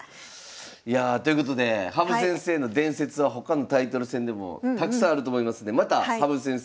いやあということで羽生先生の伝説は他のタイトル戦でもたくさんあると思いますんでまた羽生先生